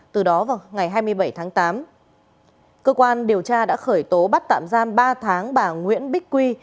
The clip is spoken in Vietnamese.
từ đó vào ngày hai mươi bảy tháng tám cơ quan điều tra đã khởi tố bắt tạm giam ba tháng bà nguyễn bích quy